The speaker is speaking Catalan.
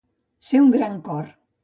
Ser un gran cor.